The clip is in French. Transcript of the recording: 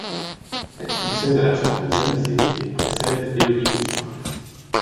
Elle succède à la chanteuse Alizée et précède Elodie Gossuin.